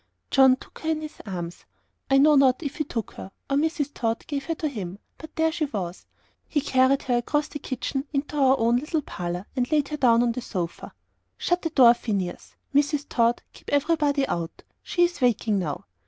John took her in his arms; I know not if he took her, or Mrs. Tod gave her to him but there she was. He carried her across the kitchen into our own little parlour, and laid her down on my sofa. "Shut the door, Phineas. Mrs. Tod, keep everybody out. She is waking now."